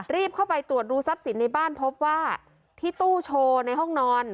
รีบเข้าไปตรวจดูทรัพย์สินในบ้านพบว่าที่ตู้โชว์ในห้องนอน